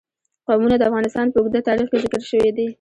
قومونه د افغانستان په اوږده تاریخ کې ذکر شوی دی.